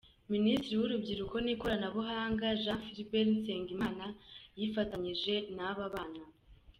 Minisitiri w’ urubyiruko n’ ikoranabuhanga Jean Philbert Nsengimana yifatanyije n’ aba bana.